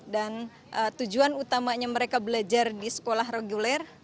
dan tujuan utamanya mereka belajar di sekolah reguler